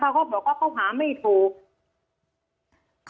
ยายก็ยังแอบไปขายขนมแล้วก็ไปถามเพื่อนบ้านว่าเห็นไหมอะไรยังไง